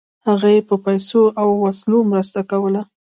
هغه یې په پیسو او وسلو مرسته کوله.